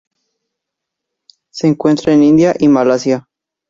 Se encuentra en India y Malasia.